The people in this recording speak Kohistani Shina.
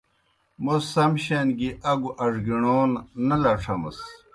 موْس سَم شان گیْ اگوْ اڙگِݨون نہ لڇھمِس۔